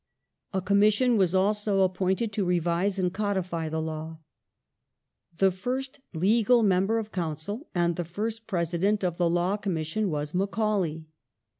A Commission was also appointed to revise and codify the law. The first legal member of Council and the fiist President of the Law Commission was Macaulay.